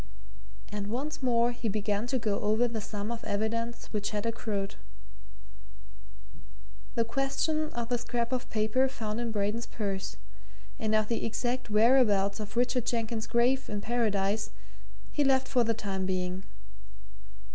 And once more he began to go over the sum of evidence which had accrued. The question of the scrap of paper found in Braden's purse, and of the exact whereabouts of Richard Jenkins's grave in Paradise, he left for the time being.